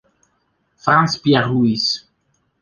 Frantz Pierre-Louis